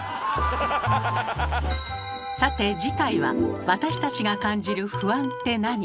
さて次回は「私たちが感じる不安ってなに？」